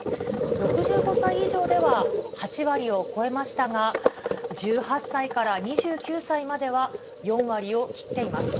６５歳以上では８割を超えましたが、１８歳から２９歳までは４割を切っています。